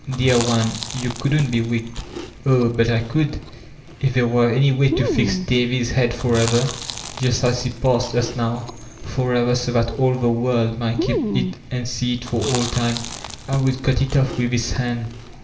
Dear one, you couldn't be wicked" "Oh, but I could 1 If there were any way to fix Davy's head forever, just as he passed us now, — forever, so that all the world might keep it and see it for all time, I would cut it oflF with this hand!